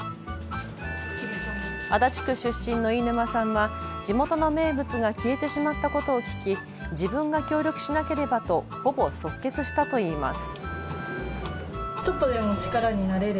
足立区出身の飯沼さんは地元の名物が消えてしまったことを聞き、自分が協力しなければとほぼ即決したといいます。